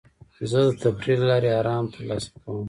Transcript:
زه د تفریح له لارې ارام ترلاسه کوم.